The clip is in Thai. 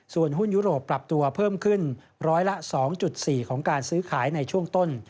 ส่วนหุ้นยุโรปปรับตัวเพิ่มขึ้นร้อยละ๒๔ของการซื้อขายในช่วงต้น